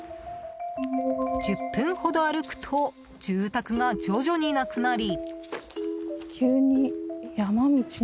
１０分ほど歩くと住宅が徐々になくなり。